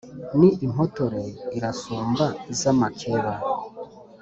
Ni impotore irasumba iz’amakeba